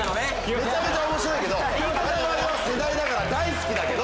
めちゃめちゃ面白いけど我々は世代だから大好きだけど。